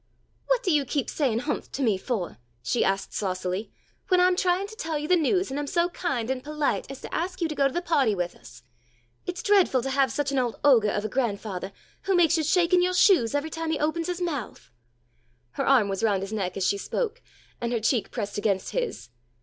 "What do you keep saying 'humph!' to me foh?" she asked saucily, "when I'm trying to tell you the news and am so kind and polite as to ask you to go to the pahty with us. It's dreadful to have such an old ogah of a grandfathah, who makes you shake in yoah shoes every time he opens his mouth." Her arm was round his neck as she spoke, and her cheek pressed against his.